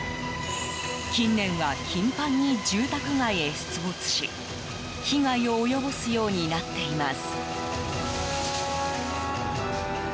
近年は頻繁に住宅街へ出没し被害を及ぼすようになっています。